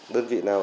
đơn vị nào